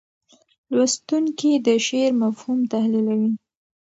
لوستونکي د شعر مفهوم تحلیلوي.